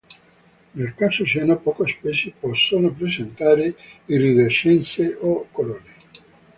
Nel caso siano poco spessi possono presentare iridescenze o corone.